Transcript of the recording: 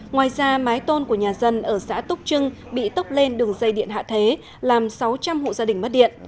ngoài ra mái tôn của nhà dân ở xã túc trưng bị tốc lên đường dây điện hạ thế làm sáu trăm linh hộ gia đình mất điện